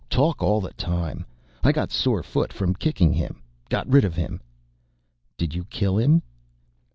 Talk all the time. I got sore foot from kicking him. Got rid of him." "Did you kill him?"